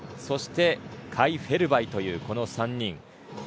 そして、カイ・フェルバイという３人。